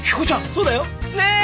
そうだよ。ねえ？